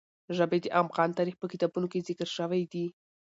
ژبې د افغان تاریخ په کتابونو کې ذکر شوی دي.